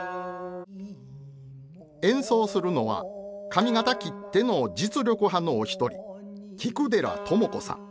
演奏するのは上方きっての実力派のお一人菊寺智子さん。